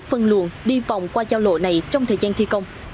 các phương tiện được tổ chức phân luồn đi vòng qua giao lộ này trong thời gian thi công